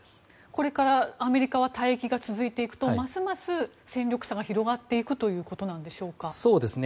これからアメリカは退役が続いていくとますます戦力差が広がっていくということですか。